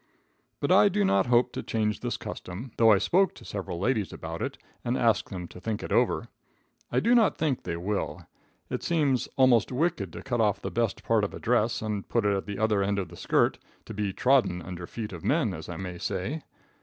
But I do not hope to change this custom, though I spoke to several ladies about it, and asked them to think it over. I do not think they will. It seems almost wicked to cut off the best part of a dress and put it at the other end of the skirt, to be trodden under feet of men, as I may say.